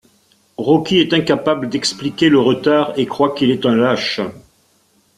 Rocky est incapable d'expliquer le retard et croit qu'il est un lâche.